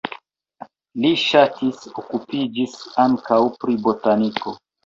Li ŝatis okupiĝis ankaŭ pri botaniko.